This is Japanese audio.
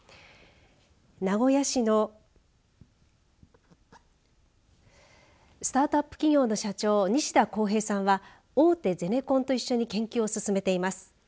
名古屋市のスタートアップ企業の社長西田宏平さんは大手ゼネコンと一緒に研究を進めています。